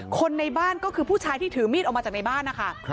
คนในบ้านก็คือผู้ชายที่ถือมีดออกมาจากในบ้านนะคะ